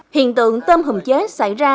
hiện tượng tôm hùm chết xảy ra